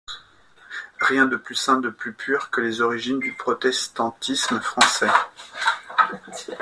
Rien de plus saint, de plus pur, que les origines du protestantisme français.